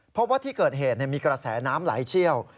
เพราะว่าที่เกิดเหตุมีกระแสน้ำไหลเชี่ยว